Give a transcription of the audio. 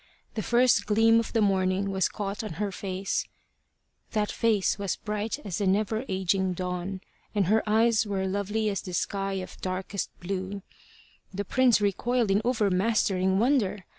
The first gleam of the morning was caught on her face: that face was bright as the never aging Dawn, and her eyes were lovely as the sky of darkest blue. The prince recoiled in overmastering wonder.